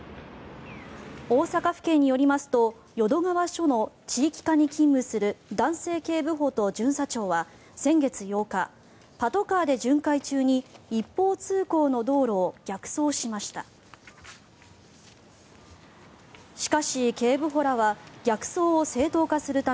大阪府警によりますと淀川署の地域課に勤務する男性警部補と巡査長は先月８日パトカーで巡回中に一方通行の道路を逆走しました。